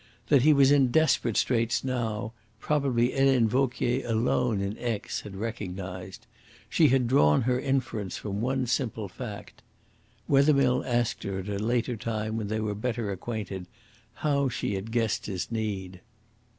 That he was in desperate straits now, probably Helene Vauquier alone in Aix had recognised. She had drawn her inference from one simple fact. Wethermill asked her at a later time when they were better acquainted how she had guessed his need.